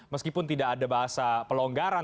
meskipun tidak ada bahasa pelonggaran